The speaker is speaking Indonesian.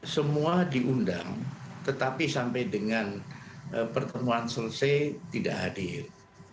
semua diundang tetapi sampai dengan pertemuan selesai tidak hadir